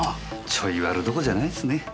ちょいワルどころじゃないっすね。